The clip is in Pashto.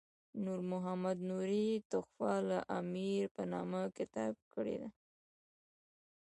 نور محمد نوري تحفة الامیر په نامه کتاب کړی دی.